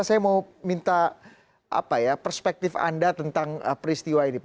saya mau minta perspektif anda tentang peristiwa ini pak